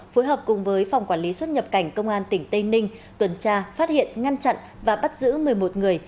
phối hợp cùng với phòng quản lý xuất nhập cảnh công an tỉnh tây ninh tuần tra phát hiện ngăn chặn và bắt giữ một mươi một người